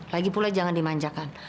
lagi pulang jangan dimanjakan